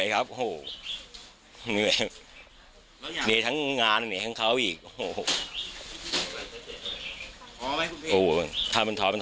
พรุ่งนี้มันมาเลือกอะไรแบบนี้นะ